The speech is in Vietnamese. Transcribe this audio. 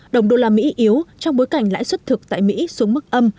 đồng đô la mỹ yếu trong bối cảnh lãi suất thực tại mỹ xuống mức âm